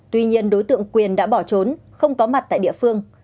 tuy nhiên đối tượng quyền đã bỏ trốn không có mặt tại địa phương